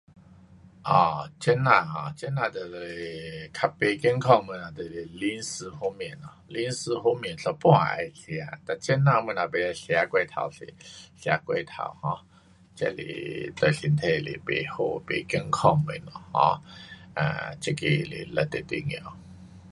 um 这样 um 这样就是较不健康的就是零食方面，零食方面一部分会吃 but 这样东西不可吃过头多。吃过头 um 这是对身体是不好，不健康的 um 啊，这个是非常重要。